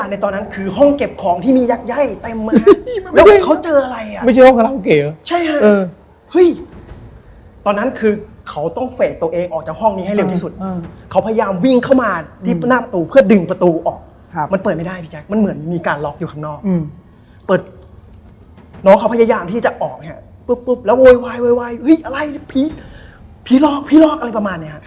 เนี่ยนี่คำแก่คำผม